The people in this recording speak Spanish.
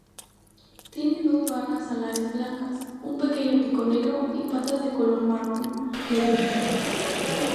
Tiene dos barras alares blancas, un pequeño pico negro, y patas de color marrón-negruzco.